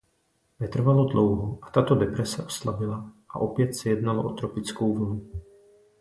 Netrvalo dlouho a tato deprese oslabila a opět se jednalo o tropickou vlnu.